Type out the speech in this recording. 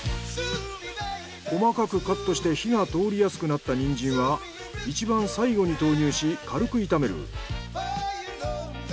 細かくカットして火が通りやすくなったニンジンはいちばん最後に投入し軽く炒める。